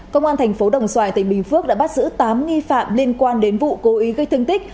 công an thành phố đồng xoài tỉnh bình phước đã bắt giữ tám nghi phạm liên quan đến vụ cố ý gây thương tích